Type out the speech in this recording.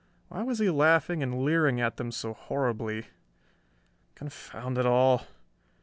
Why was he laughing and leering at them so horribly?... Confound it all